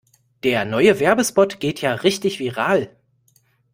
Der neue Werbespot geht ja richtig viral.